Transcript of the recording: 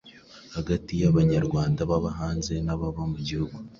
hagati y’Abanyarwanda baba hanze n’ababa mu gihugu,